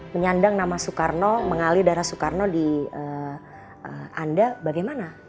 menyandang nama soekarno mengalih darah soekarno di anda bagaimana